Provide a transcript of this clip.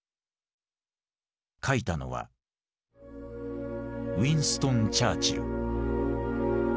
描いたのはウィンストン・チャーチル。